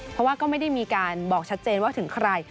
เพราะว่าก็ไม่ได้มีการบอกชัดเจนว่าถึงใคร